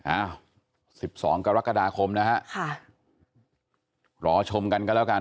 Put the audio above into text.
อ้าว๑๒กรกฎาคมนะฮะค่ะรอชมกันกันแล้วกัน